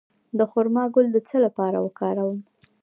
د خرما ګل د څه لپاره وکاروم؟